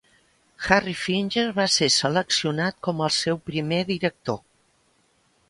"Harry" Finger va ser seleccionat com al seu primer director.